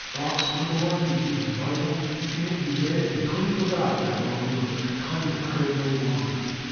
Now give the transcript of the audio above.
Bach's wonder work became his Bible; in it he read, and clean forgot that world of clangor heard no longer."